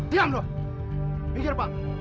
jangan lo mikir pak